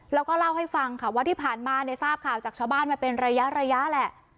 แล้วก็เล่าให้ฟังค่ะว่าที่ผ่านมาเนี่ยทราบข่าวจากชาวบ้านมาเป็นระยะแหละ